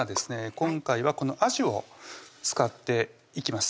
今回はこのあじを使っていきます